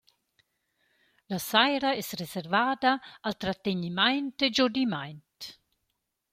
La saira es reservada al trategnimaint e giodimaint.